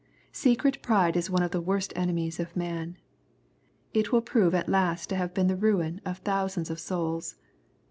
Secret pride is one of the worst enemies of man. It will prove at lest to have been the ruin of thousands of souls.